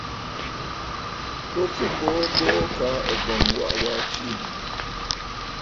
Bo fu mboo mboo, kaa ɨ̀bɔ̀ŋ ɨ waʼa waa tiʼì.